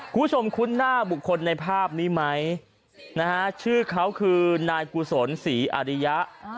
คุ้นหน้าบุคคลในภาพนี้ไหมนะฮะชื่อเขาคือนายกุศลศรีอาริยะ